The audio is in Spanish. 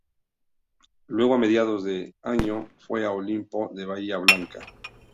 Luego a mediados de año fue a Olimpo de Bahía Blanca.